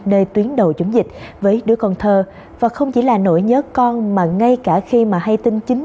nơi tuyến đầu chống dịch với đứa con thơ và không chỉ là nỗi nhớ con mà ngay cả khi mà hay tinh chính